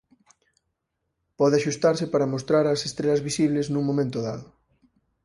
Pode axustarse para mostrar as estrelas visibles nun momento dado.